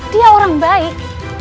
dia orang baik